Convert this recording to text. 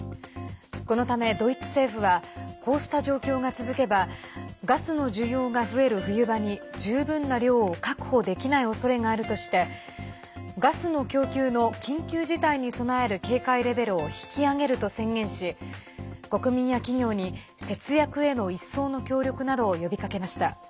このため、ドイツ政府はこうした状況が続けばガスの需要が増える冬場に十分な量を確保できないおそれがあるとしてガスの供給の緊急事態に備える警戒レベルを引き上げると宣言し国民や企業に節約への一層の協力などを呼びかけました。